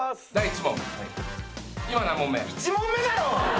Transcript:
１問目だよ！